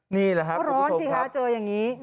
นี่แหละครับคุณผู้ชมครับ